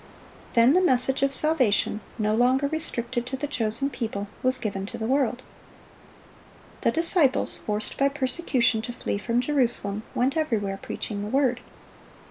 Then the message of salvation, no longer restricted to the chosen people, was given to the world. The disciples, forced by persecution to flee from Jerusalem, "went everywhere preaching the Word."